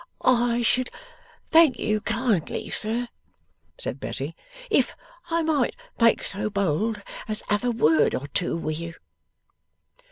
'I should thank you kindly, sir,' said Betty, 'if I might make so bold as have a word or two wi' you.